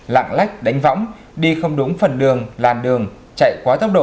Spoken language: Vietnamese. lạng lách đánh võng đi không đúng phần đường làn đường chạy quá tốc độ